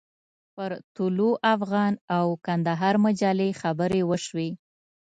پر طلوع افغان او کندهار مجلې خبرې وشوې.